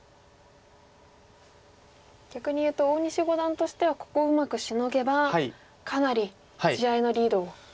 逆にいうと大西五段としてはここをうまくシノげばかなり地合いのリードを。